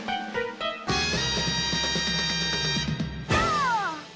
とう！